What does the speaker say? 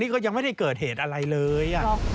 ก็ยังไม่ได้เกิดเหตุอะไรเลย